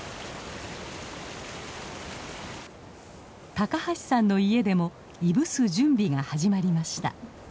高橋さんの家でもいぶす準備が始まりました。